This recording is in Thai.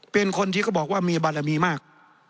เป็นคนที่เขาบอกว่ามีบารมีมาก